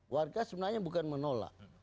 warga sebenarnya bukan menolak